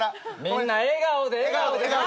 みんな笑顔で笑顔でな。